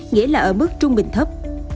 nghĩa là ở mức trung bình thấp